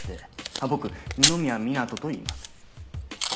あっ僕二宮湊人といいます。